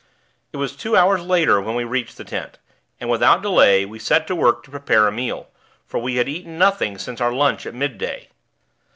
It was two hours later when we reached the tent; and, without delay, we set to work to prepare a meal; for we had eaten nothing since our lunch at midday.